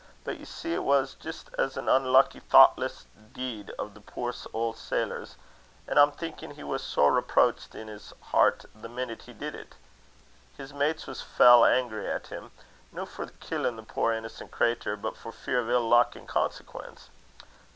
But ye see it was jist an unlucky thochtless deed o' the puir auld sailor's, an' I'm thinkin' he was sair reprocht in's hert the minit he did it. His mates was fell angry at him, no for killin' the puir innocent craytur, but for fear o' ill luck in consequence.